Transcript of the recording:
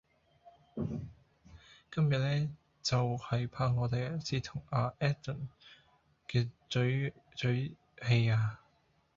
今日呢就係怕我第一次同亞 Edan 嘅嘴嘴戲呀